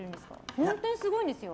本当にすごいんですよ。